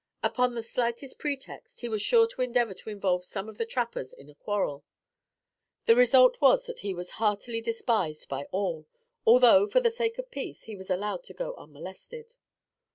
Upon the slightest pretext, he was sure to endeavor to involve some of the trappers in a quarrel. The result was that he was heartily despised by all, although, for the sake of peace, he was allowed to go unmolested.